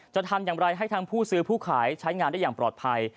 จะทำอย่างไรให้ทั้งผู้ซื้อผู้ขายใช้งานได้อย่างปลอดภัย